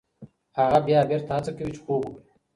هغه بیا بېرته هڅه کوي چې خوب وکړي.